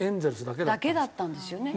だけだったんですよね。